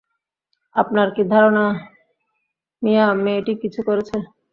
আপনার কি ধারণা মিয়া মেয়েটি কিছু করেছে?